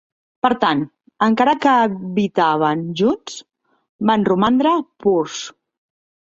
Per tant, encara que habitaven junts, van romandre "purs".